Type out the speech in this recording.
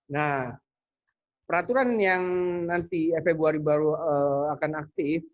nah peraturan yang nanti februari baru akan aktif